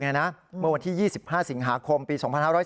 เมื่อวันที่๒๕สิงหาคมปี๒๕๔